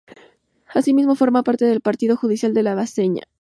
Asimismo forma parte del partido judicial de La Bañeza.